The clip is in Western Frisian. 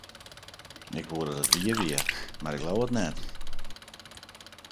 Ik woe dat it wier wie, mar ik leau it net.